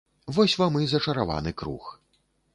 Вось вам і зачараваны круг.